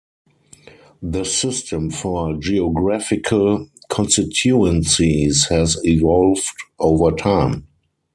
The system for geographical constituencies has evolved over time.